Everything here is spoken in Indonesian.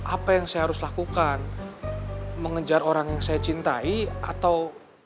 apa yang saya harus lakukan mengejar orang yang saya cintai atau